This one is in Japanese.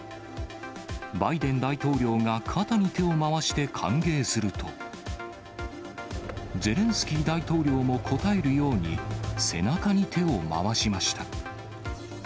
バイデン大統領が肩に手を回して歓迎すると、ゼレンスキー大統領も応えるように、背中に手を回しました。